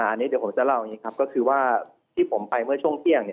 อันนี้เดี๋ยวผมจะเล่าอย่างนี้ครับก็คือว่าที่ผมไปเมื่อช่วงเที่ยง